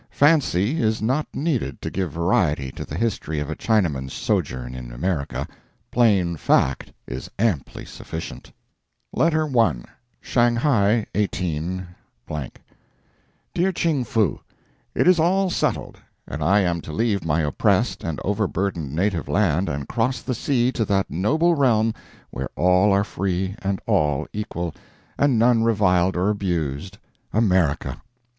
Fancy is not needed to give variety to the history of a Chinaman's sojourn in America. Plain fact is amply sufficient. Contents LETTER I LETTER II LETTER III LETTER IV LETTER V LETTER VI LETTER VII LETTER I SHANGHAI, 18 . DEAR CHING FOO: It is all settled, and I am to leave my oppressed and overburdened native land and cross the sea to that noble realm where all are free and all equal, and none reviled or abused America!